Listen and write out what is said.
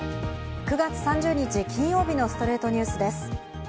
９月３０日、金曜日の『ストレイトニュース』です。